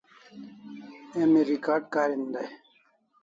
Emi Recard karin dai